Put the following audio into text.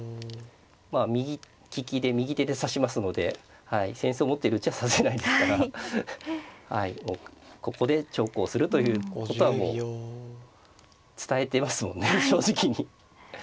まあ右利きで右手で指しますので扇子を持っているうちは指せないですからここで長考するということはもう伝えてますもんね正直に。